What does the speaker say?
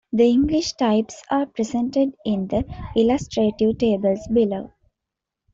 The English types are presented in the illustrative tables below.